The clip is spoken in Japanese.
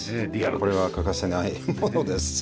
これは欠かせないものです。